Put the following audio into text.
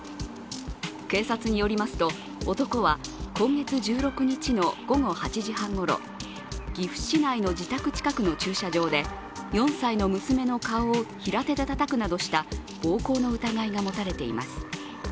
警察によりますと、男は今月１６日の午後８時半ごろ、岐阜市内の自宅近くの駐車場で、４歳の娘の顔を平手でたたくなどした暴行の疑いが持たれています。